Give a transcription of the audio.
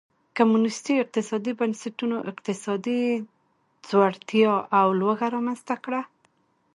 کمونېستي اقتصادي بنسټونو اقتصادي ځوړتیا او لوږه رامنځته کړه.